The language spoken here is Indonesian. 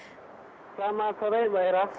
selamat sore mbak ira